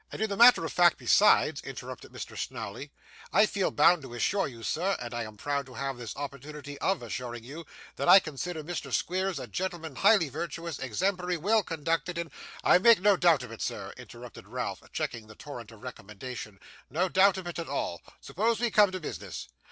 'And in the matter of fact besides,' interrupted Mr. Snawley. 'I feel bound to assure you, sir, and I am proud to have this opportunity OF assuring you, that I consider Mr. Squeers a gentleman highly virtuous, exemplary, well conducted, and ' 'I make no doubt of it, sir,' interrupted Ralph, checking the torrent of recommendation; 'no doubt of it at all. Suppose we come to business?